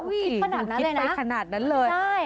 คิดไปขนาดนั้นเลย